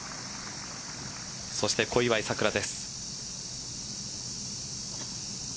そして小祝さくらです。